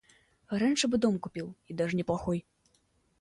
Раньше б дом купил — и даже неплохой.